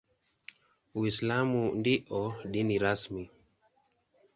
Uislamu ndio dini rasmi.